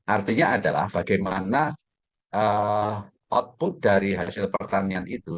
artinya adalah bagaimana output dari hasil pertanian itu